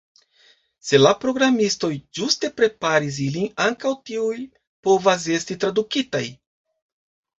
Se la programistoj ĝuste preparis ilin, ankaŭ tiuj povas esti tradukitaj.